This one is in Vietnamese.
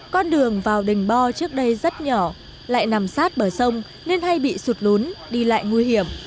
con đường vào đình bo trước đây rất nhỏ lại nằm sát bờ sông nên hay bị sụt lún đi lại nguy hiểm